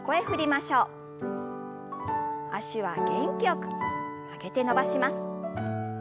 脚は元気よく曲げて伸ばします。